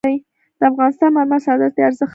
د افغانستان مرمر صادراتي ارزښت لري